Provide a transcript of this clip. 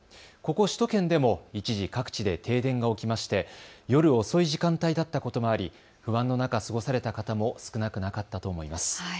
ここ首都圏でも、一時、各地で停電が起きまして夜遅い時間帯だったこともあり不安の中、過ごされた方も少なくなかったと思います。